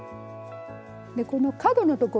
この角のところがね